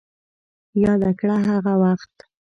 ياده کړه هغه وخت